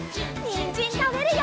にんじんたべるよ！